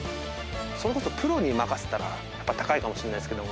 それこそプロに任せたらやっぱ高いかもしんないですけど。